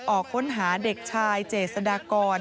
ออกค้นหาเด็กชายเจษฎากร